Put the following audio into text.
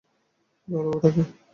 দাঁড়াও, ওটা কে?